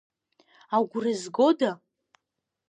Агәра згода?